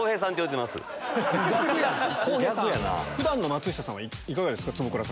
普段の松下さんはいかがですか？